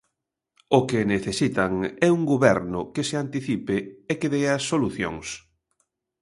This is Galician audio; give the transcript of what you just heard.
O que necesitan é un goberno que se anticipe e que dea solucións.